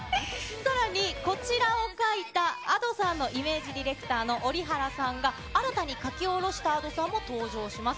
さらに、こちらを描いたＡｄｏさんのイメージディレクターのＯＲＩＨＡＲＡさんは、新たに書き下ろしたＡｄｏさんも登場します。